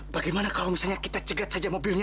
bagaimana kalau misalnya kita cegat saja mobilnya